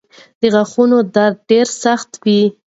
د غاښونو درد ډېر سخت وي.